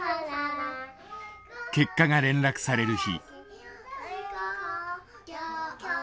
結果が連絡される日。